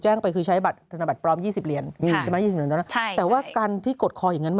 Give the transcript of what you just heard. แล้วก็มียาเสพติด